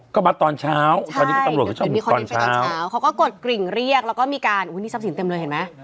อ๋อก็มาตอนเช้าใช่เขาก็กดกริ่งเรียกแล้วก็มีการอุ้ยนี่ทรัพย์สินเต็มเลยเห็นไหม